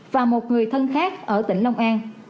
và một người thân khác ở tỉnh long an